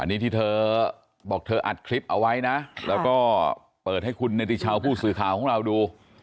อันนี้ที่เธอบอกเธออัดคลิปเอาไว้นะแล้วก็เปิดให้คุณเนติชาวผู้สื่อข่าวของเราดู